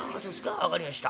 分かりました。